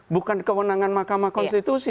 bukan kewenangan mahkamah konstitusi